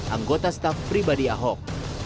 anggota staf pribadi ahok